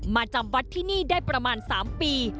จำวัดที่นี่ได้ประมาณ๓ปี